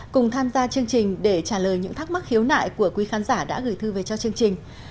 cùng tham gia chương trình để trả lời những thắc mắc hiếu nại của quý khán giả đã gửi thư về cho chương trình